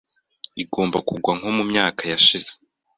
igomba kugwa nko mu myaka yashize